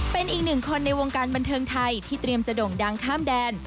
เป็นอีกหนึ่งคนในวงการบันเทิงไทยที่เตรียมจะโด่งดังข้ามแดน